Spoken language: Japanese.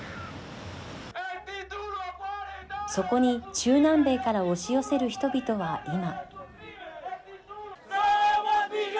そこに中南米から押し寄せる人々は今。